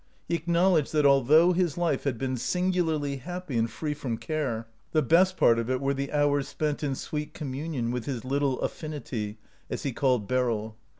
He acknowledged that although his life had been singularly happy and free from care, the best part of it were the hours spent in sweet communion with his " little affinity," as he called Beryl.